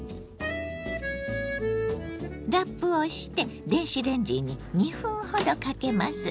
ラップをして電子レンジに２分ほどかけます。